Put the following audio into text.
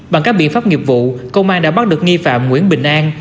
bằng các biện pháp nghiệp vụ công an đã bắt được nghi phạm nguyễn bình an